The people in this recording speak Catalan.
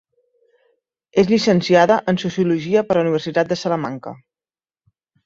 És llicenciada en sociologia per la Universitat de Salamanca.